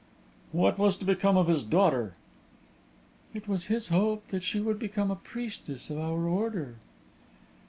"What was to become of his daughter?" "It was his hope that she would become a priestess of our order."